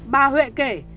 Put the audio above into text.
bà huệ kể